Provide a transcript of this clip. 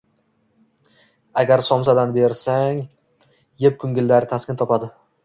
Agar somsadan bersang, yeb koʻngillari taskin topadi